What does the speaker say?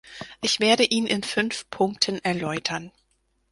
Ich werde ihn in fünf Punkten erläutern.